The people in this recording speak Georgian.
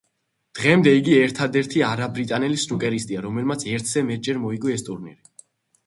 დღემდე იგი ერთადერთი არაბრიტანელი სნუკერისტია, რომელმაც ერთზე მეტჯერ მოიგო ეს ტურნირი.